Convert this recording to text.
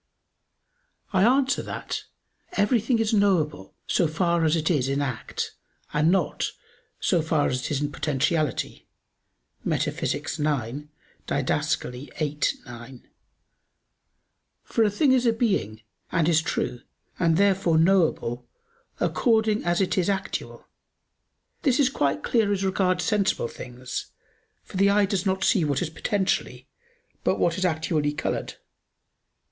I answer that, Everything is knowable so far as it is in act, and not, so far as it is in potentiality (Metaph. ix, Did. viii, 9): for a thing is a being, and is true, and therefore knowable, according as it is actual. This is quite clear as regards sensible things, for the eye does not see what is potentially, but what is actually colored.